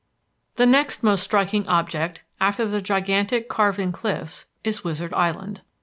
The next most striking object after the gigantic carven cliffs is Wizard Island.